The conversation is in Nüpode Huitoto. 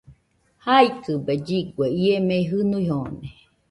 Jaikɨbe lligue, ie mei jɨnui joone.